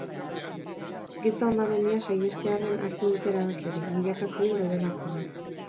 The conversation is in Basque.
Giza hondamendia saihestearren hartu dute erabaki hori, milaka zibil daudelako han.